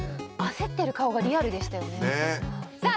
焦ってる顔がリアルでしたよねねえさあ